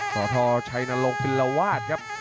สทชัยนรงคิลวาสครับ